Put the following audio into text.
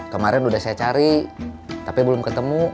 kemarin udah saya cari tapi belum ketemu